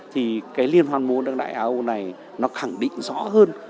thì liên hoàn múa đương đại á âu này khẳng định rõ hơn